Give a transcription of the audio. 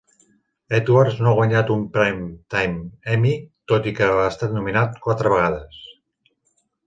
Edwards no ha guanyat un Primetime Emmy, tot i que ha estat nominat quatre vegades.